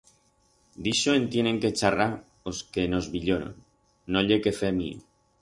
D'ixo en tienen que charrar os que nos viyioron, no ye quefer mío.